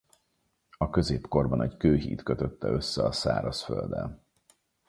A középkorban egy kőhíd kötötte össze a szárazfölddel.